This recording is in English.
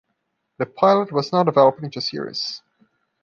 The pilot was not developed into a series.